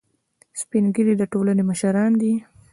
سپین ږیری د ټولنې مشران دي